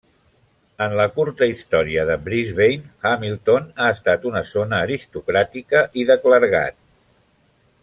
En la curta història de Brisbane, Hamilton ha estat una zona aristocràtica i de clergat.